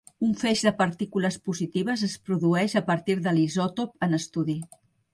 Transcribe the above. Un feix de partícules positives es produeix a partir de l'isòtop en estudi.